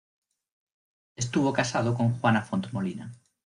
Estuvo casado con Juana Font Molina.